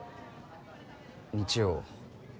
日曜。